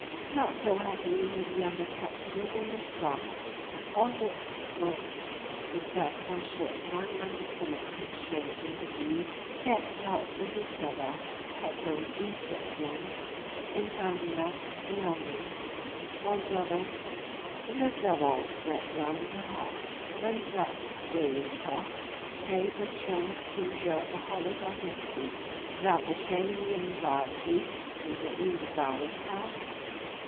Not so happy were the other characters in this drama. Oswald's thoughts, disturbed for a short time by the somewhat constrained interview he had held with his brother, had flown eastward again, in silent love and longing; while Doris, with a double dread now in her heart, went about her daily tasks, praying for strength to endure the horrors of this week, without betraying the anxieties secretly devouring her.